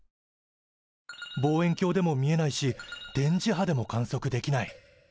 望遠鏡でも見えないし電磁波でも観測できない。